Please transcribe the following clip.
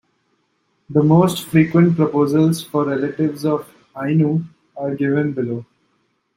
The most frequent proposals for relatives of Ainu are given below.